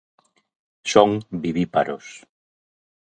Son vivíparos.